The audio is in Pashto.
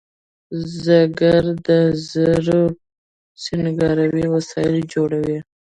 زرګر د زرو سینګاري وسایل جوړوي